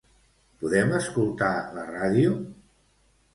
Podem escoltar la ràdio?